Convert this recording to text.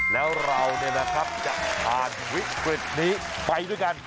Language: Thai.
แล้วเราเนี่ยนะครับจะผ่านวิกฤตนี้ไปด้วยกัน